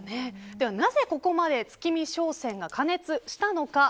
では、なぜここまで月見商戦が過熱したのか。